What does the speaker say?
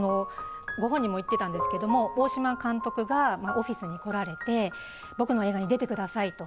ご本人も言ってたんですけれども、大島監督がオフィスに来られて、僕の映画に出てくださいと。